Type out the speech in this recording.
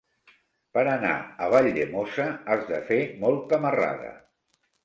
Per anar a Valldemossa has de fer molta marrada.